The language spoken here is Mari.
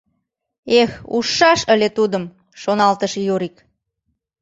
«Эх, ужшаш ыле тудым», — шоналтыш Юрик.